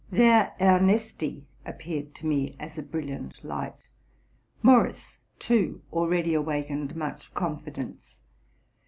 There Ernesti appeared to me as a brilliant light: Morus, too, already awakened much confi dence.